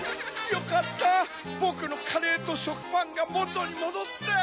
よかったボクのカレーとしょくパンがもとにもどって！